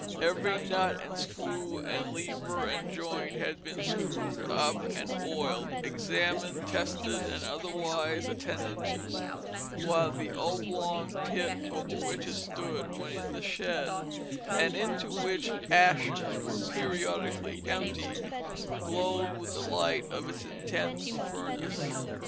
Every nut and screw and lever and joint had been screwed up, and oiled, examined, tested, and otherwise attended to, while the oblong pit over which it stood when in the shed and into which its ashes were periodically emptied glowed with the light of its intense furnace.